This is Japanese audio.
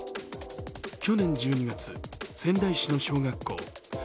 去年１２月、仙台市の小学校。